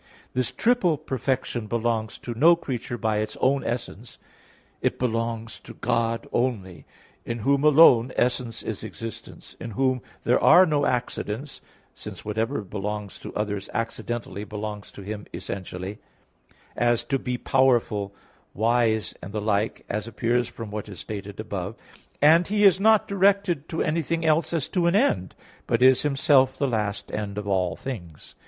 This triple perfection belongs to no creature by its own essence; it belongs to God only, in Whom alone essence is existence; in Whom there are no accidents; since whatever belongs to others accidentally belongs to Him essentially; as, to be powerful, wise and the like, as appears from what is stated above (Q. 3, A. 6); and He is not directed to anything else as to an end, but is Himself the last end of all things.